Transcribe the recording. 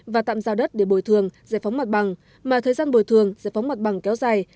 và tạm giao đất để bồi thường giải phóng mặt bằng mà thời gian bồi thường giải phóng mặt bằng kéo dài